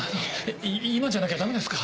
い今じゃなきゃダメですか？